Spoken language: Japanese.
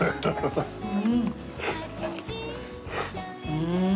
うん。